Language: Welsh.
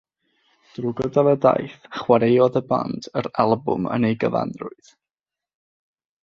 Drwy gydol y daith, chwaraeodd y band yr albwm yn ei gyfanrwydd.